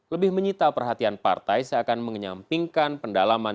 lebih menyita perhatian partai seakan menyampingkan pendalaman